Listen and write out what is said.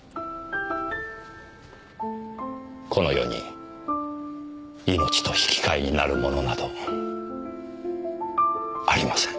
この世に命と引き換えになるものなどありません。